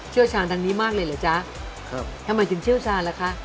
เชื่อชาญดังนี้มากเลยเหรอจ๊ะทำไมถึงเชื่อชาญเหรอคะ